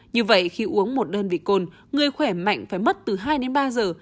như vậy khi uống một đơn vị cồn người khỏe mạnh phải mất từ hai đến ba giờ